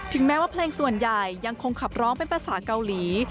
แม้ว่าเพลงส่วนใหญ่ยังคงขับร้องเป็นภาษาเกาหลี